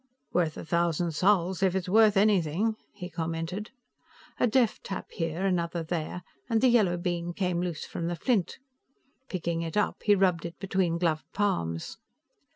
"Worth a thousand sols if it's worth anything," he commented. A deft tap here, another there, and the yellow bean came loose from the flint. Picking it up, he rubbed it between gloved palms.